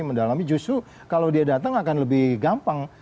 mendalami justru kalau dia datang akan lebih gampang